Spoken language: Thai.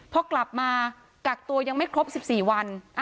พอกลับมากักตัวยังไม่ครบ๑๔วัน